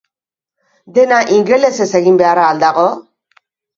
Dena ingelesez egin beharra al dago?